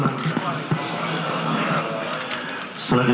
waalaikumsalam warahmatullahi wabarakatuh